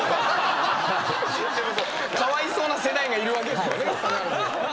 かわいそうな世代がいるわけですもんね。